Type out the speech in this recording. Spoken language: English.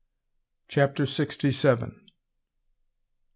CHAPTER SIXTY SEVEN.